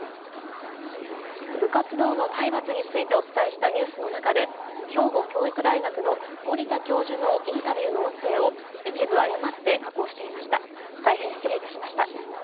部活動の体罰についてお伝えしたニュースの中で兵庫教育大学の森田教授のインタビューの音声を一部誤って加工していました。